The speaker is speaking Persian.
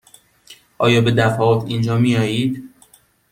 آیا به دفعات اینجا می آیید؟